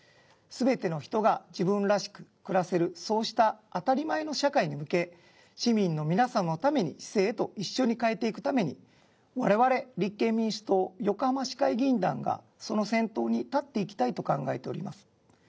全ての人が自分らしく暮らせるそうした当たり前の社会に向け市民の皆様のための市政へと一緒に変えていくために我々立憲民主党横浜市会議員団がその先頭に立っていきたいと考えております。